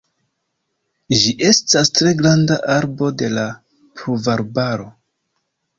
Ĝi estas tre granda arbo de la pluvarbaro.